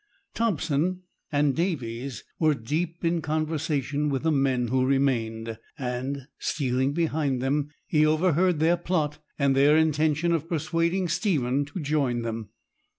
Thompson and Davies were deep in conversation with the men who remained, and, stealing behind them, he overheard their plot, and their intention of persuading Stephen to join them.